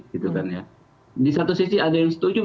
di satu sisi ada yang setuju